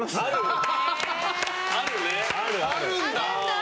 あるんだ！